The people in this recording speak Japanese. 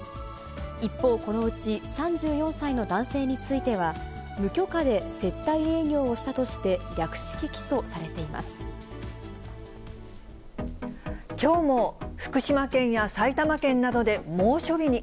一方、このうち３４歳の男性については、無許可で接待営業をしたとして、きょうも、福島県や埼玉県などで猛暑日に。